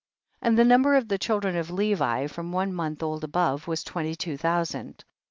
23. And the number of the chil dren of Levi* from one month old and above, was twenty two thousand. 24.